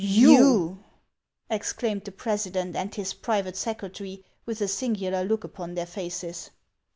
" You !" exclaimed the president and his private secre tary, with a singular look upon their faces.